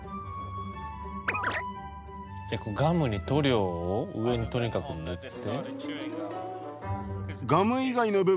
ガムに塗料を上にとにかく塗って。